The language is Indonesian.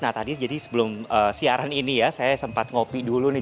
nah tadi jadi sebelum siaran ini ya saya sempat ngopi dulu nih